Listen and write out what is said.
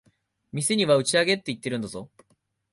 店には打ち上げって言ってるんだぞ。